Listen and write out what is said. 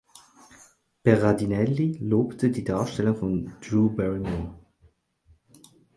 Berardinelli lobte die Darstellung von Drew Barrymore.